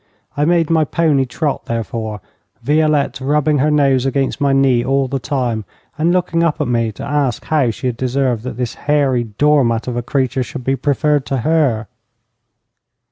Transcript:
I made my pony trot, therefore, Violette rubbing her nose against my knee all the time, and looking up at me to ask how she had deserved that this hairy doormat of a creature should be preferred to her.